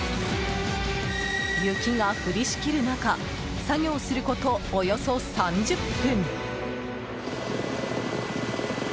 雪が降りしきる中作業すること、およそ３０分。